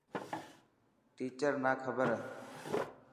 ٽيچر نا خبر هي.